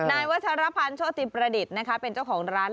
นายวัชรพันธ์โชติประดิษฐ์นะคะเป็นเจ้าของร้าน